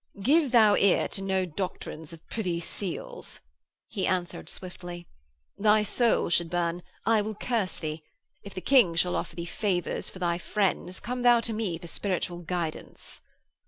'Give thou ear to no doctrines of Privy Seal's,' he answered swiftly. 'Thy soul should burn: I will curse thee. If the King shall offer thee favours for thy friends come thou to me for spiritual guidance.'